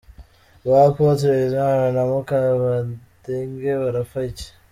Ba Apôtre Bizimana na Mukabadege barapfa iki?.